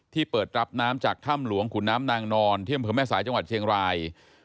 เปิดรับน้ำจากถ้ำหลวงขุนน้ำนางนอนที่อำเภอแม่สายจังหวัดเชียงราย